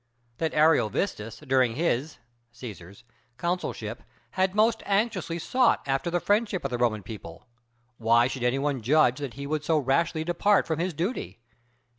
That Ariovistus during his [Cæsar's] consulship had most anxiously sought after the friendship of the Roman people; why should any one judge that he would so rashly depart from his duty?